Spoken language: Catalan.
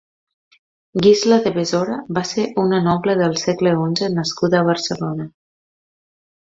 Guisla de Besora va ser una noble del segle onze nascuda a Barcelona.